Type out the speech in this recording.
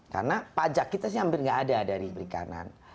karena pajak kita sih hampir nggak ada dari perikanan